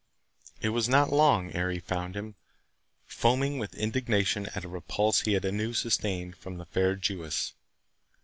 It was not long ere he found him, foaming with indignation at a repulse he had anew sustained from the fair Jewess.